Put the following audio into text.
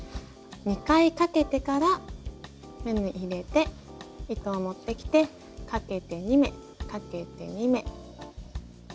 ２回かけてから目に入れて糸を持ってきてかけて２目かけて２目。